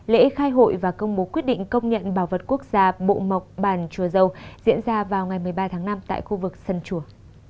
lễ khai hội và công bố quyết định công nhận bảo vật quốc gia bộ mộc bản chùa diễn ra vào ngày một mươi ba tháng năm tại khu vực sân chùa